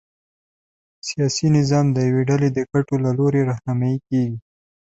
سیاسي نظام د یوې ډلې د ګټو له لوري رهنمايي کېږي.